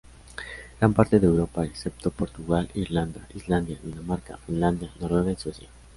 Gran parte de Europa, excepto Portugal, Irlanda, Islandia, Dinamarca, Finlandia, Noruega y Suecia.